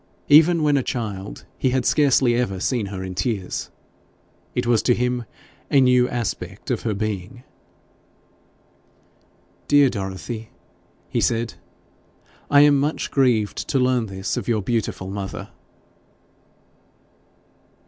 Even when a child, he had scarcely ever seen her in tears; it was to him a new aspect of her being. 'Dear Dorothy!' he said, 'I am very much grieved to learn this of your beautiful mother.'